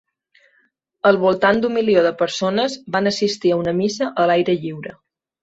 Al voltant d'un milió de persones van assistir a una missa a l'aire lliure.